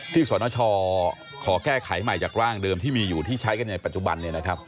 สนชขอแก้ไขใหม่จากร่างเดิมที่มีอยู่ที่ใช้กันในปัจจุบัน